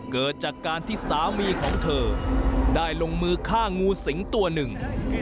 เกิดจากการที่สามีของเธอได้ลงมือฆ่างูสิงตัวหนึ่ง